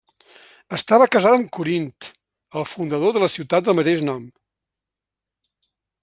Estava casada amb Corint, el fundador de la ciutat del mateix nom.